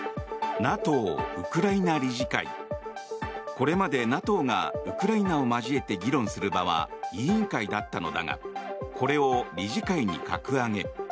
これまでＮＡＴＯがウクライナを交えて議論する場は委員会だったのだがこれを理事会に格上げ。